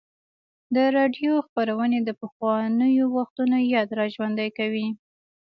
د راډیو خپرونې د پخوانیو وختونو یاد راژوندی کوي.